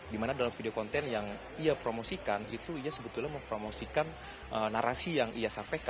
dimana dalam video konten yang ia promosikan itu ia sebetulnya mempromosikan narasi yang ia sampaikan